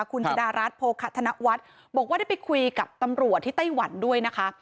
คุณชดารัฐโภคธนวัฒน์บอกว่าได้ไปคุยกับตำรวจที่ไต้หวันด้วยนะคะ